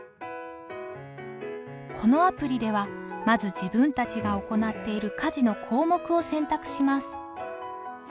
このアプリではまず自分たちが行っている家事の項目を選択します。